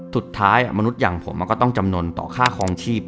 สุดท้ายมนุษย์อย่างผมมันก็ต้องจำนวนต่อค่าคลองชีพ